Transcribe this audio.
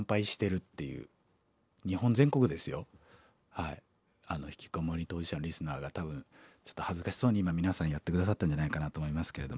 はいひきこもり当事者のリスナーが多分ちょっと恥ずかしそうに今皆さんやって下さったんじゃないかなと思いますけれども。